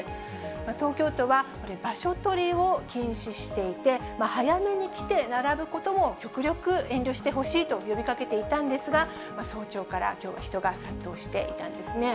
東京都は場所取りを禁止していて、早めに来て並ぶことも極力遠慮してほしいと呼びかけていたんですが、早朝からきょうは人が殺到していたんですね。